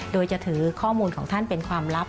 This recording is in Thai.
โดยจะถือข้อมูลของท่านเป็นความลับ